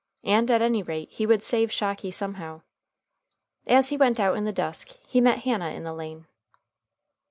And, at any rate, he would save Shocky somehow. As he went out in the dusk, he met Hannah in the lane.